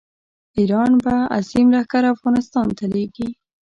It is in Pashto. ایران به عظیم لښکر افغانستان ته لېږي.